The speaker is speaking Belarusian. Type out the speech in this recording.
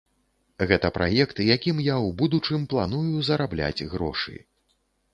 Гэта праект, якім я ў будучым планую зарабляць грошы.